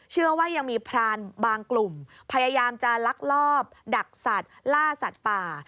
เชื่อว่ายังมีพรานบางกลุ่มพยายามจะลักลอบดักสัตว์ล่าสัตว์ป่า